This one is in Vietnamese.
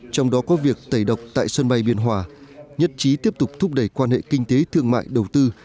trong đó có việc tẩy độc tại sân bay biên hòa nhất trí tiếp tục thúc đẩy quan hệ kinh tế thương mại đầu tư